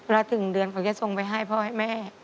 แล้วถึงเดือนเขาจะส่งไปให้พ่อให้แม่